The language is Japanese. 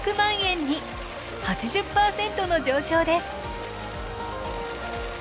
８０％の上昇です。